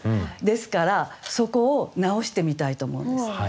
ですからそこを直してみたいと思うんです。